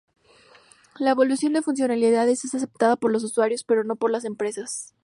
La evolución de funcionalidades es aceptada por los usuarios pero no por las empresas.